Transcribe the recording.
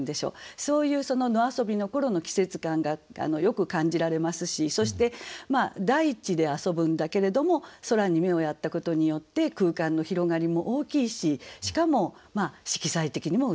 そういう野遊びの頃の季節感がよく感じられますしそして大地で遊ぶんだけれども空に目をやったことによって空間の広がりも大きいししかも色彩的にも美しい。